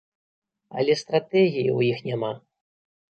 Але стратэгіі ў іх няма!